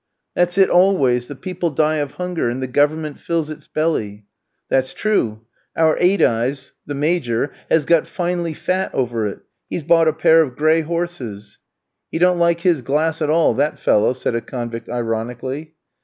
"That's it always; the people die of hunger, and the Government fills its belly." "That's true. Our eight eyes (the Major) has got finely fat over it; he's bought a pair of gray horses." "He don't like his glass at all, that fellow," said a convict ironically.